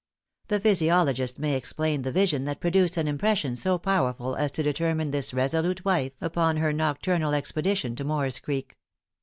The physiologist may explain the vision that produced an impression so powerful as to determine this resolute wife upon her nocturnal expedition to Moore's Creek.